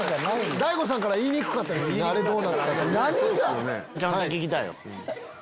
大悟さんから言いにくかったですよね。